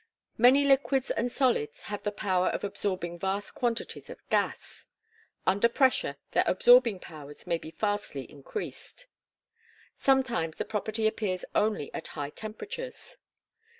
Many liquids and solids have the power of absorbing vast quantities of gas. Under pressure their absorbing powers may be vastly increased. Sometimes the property appears only at high temperatures.